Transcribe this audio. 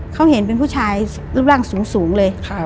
เขาเห็นเป็นผู้ชายรูปร่างสูงเลย